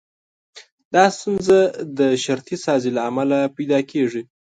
دا ستونزه د شرطي سازي له امله پيدا کېږي.